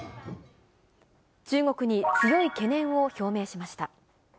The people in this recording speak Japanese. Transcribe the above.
中国に強い懸念を表明しました。